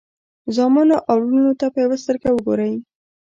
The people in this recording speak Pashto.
زامنو او لوڼو ته په یوه سترګه وګورئ.